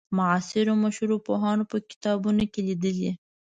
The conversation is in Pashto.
معاصرو مشهورو پوهانو په کتابونو کې لیدلې.